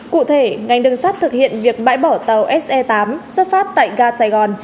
cụ thể ngành đường sắt thực hiện việc bãi bỏ tàu se tám xuất phát tại ga sài gòn